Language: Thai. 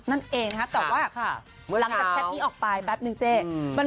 ก็บ้างครับแต่ว่า